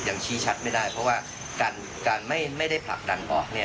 ชี้ชัดไม่ได้เพราะว่าการไม่ได้ผลักดันออก